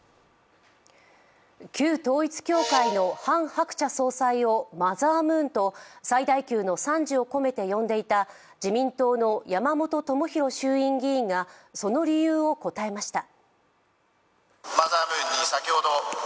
旧統一教会のハン・ハクチャ総裁をマザームーンと最大級の賛辞を込めて呼んでいた自民党の山本朋広衆院議員がその理由を答えました。